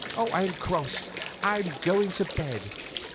I'm cross; I'm going to bed.